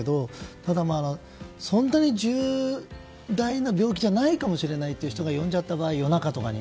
ただ、そんなに重大な病気じゃないかもしれないという方が呼んじゃった場合、夜中とかに。